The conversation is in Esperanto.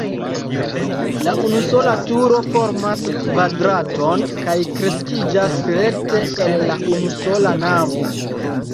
La unusola turo formas kvadraton kaj kreskiĝas rekte el la unusola navo.